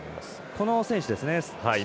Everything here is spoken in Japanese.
この選手ですね。